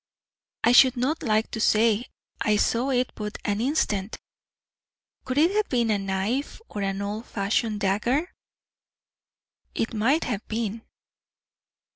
"I should not like to say; I saw it but an instant." "Could it have been a knife or an old fashioned dagger?" "It might have been."